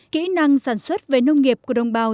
kỹ năng sản xuất về nông nghiệp của đồng bào